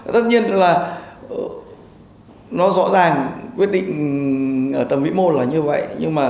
tất nhiên là nó rõ ràng quyết định ở tầm vĩ mô là như vậy